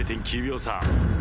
０．９秒差。